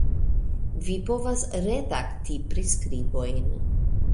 Vi povas redakti priskribojn